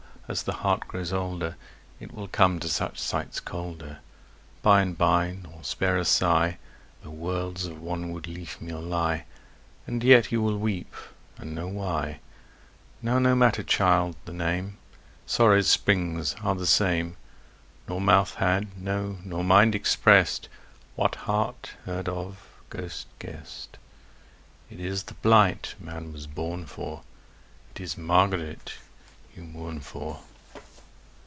ás the heart grows older It will come to such sights colder By and by, nor spare a sigh Though worlds of wanwood leafmeal lie; And yet you wíll weep and know why. Now no matter, child, the name: Sórrow's spríngs áre the same. Nor mouth had, no nor mind, expressed What heart heard of, ghost guessed: It is the blight man was born for, It is Margaret you mourn for.